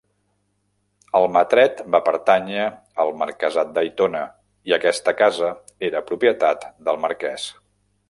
Almatret va pertànyer al marquesat d'Aitona, i aquesta casa era propietat del marquès.